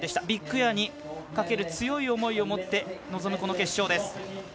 ビッグエアにかける強い思いを持って臨む、この決勝です。